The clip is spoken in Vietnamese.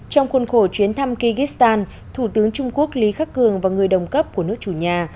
trong khuôn khổ chuyến thăm kyistan thủ tướng trung quốc lý khắc cường và người đồng cấp của nước chủ nhà